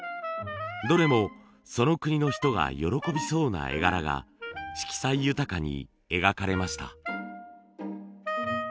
どれもその国の人が喜びそうな絵柄が色彩豊かに描かれました。